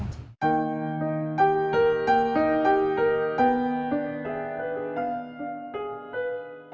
masih ada yang tanya